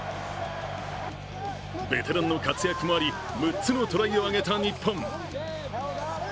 ベテランの活躍もあり６つのトライをあげた日本。